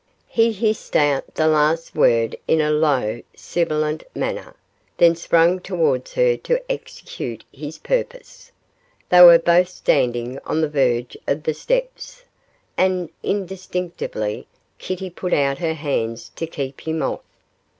He hissed out the last word in a low, sibilant manner, then sprang towards her to execute his purpose. They were both standing on the verge of the steps, and instinctively Kitty put out her hands to keep him off.